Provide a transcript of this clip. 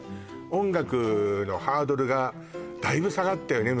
音楽のハードルがだいぶ下がったよね